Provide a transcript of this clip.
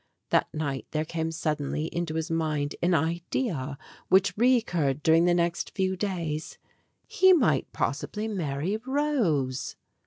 That night there came suddenly into his mind an idea which recurred during the next few days he might possibly marry Rose.